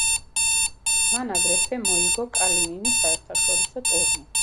მან აგრეთვე მოიგო კალინინის საერთაშორისო ტურნირი.